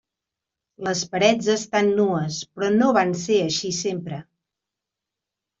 Les parets estan nues, però no van ser així sempre.